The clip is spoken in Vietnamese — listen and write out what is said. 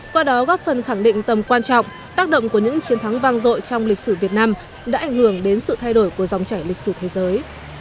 qua đó góp phần khẳng định tầm quan trọng tác động của những chiến thắng vang dội trong lịch sử việt nam đã ảnh hưởng đến sự thay đổi của dòng trải lịch sử thế giới